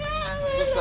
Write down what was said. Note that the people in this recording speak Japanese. どうした？